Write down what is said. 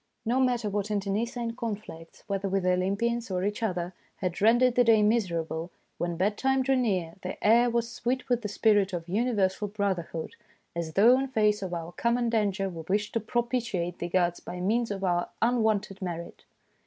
No matter what inter necine conflicts, whether with the Olympians or each other, had rendered the day miser able, when bed time drew near the air was sweet with the spirit of universal brother hood, as though in face of our common danger we wished to propitiate the gods by means of our unwonted merit.